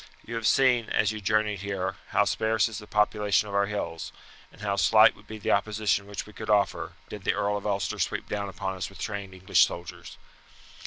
You have seen, as you journeyed here, how sparse is the population of our hills, and how slight would be the opposition which we could offer, did the Earl of Ulster sweep down upon us with trained English soldiers.